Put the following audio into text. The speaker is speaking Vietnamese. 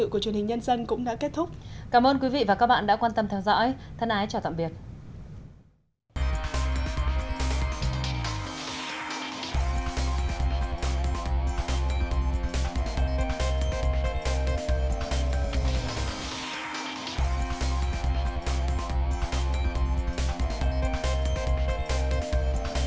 cảm ơn các bạn đã theo dõi và hẹn gặp lại